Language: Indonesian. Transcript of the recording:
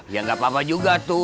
ya gak apa apa juga tuh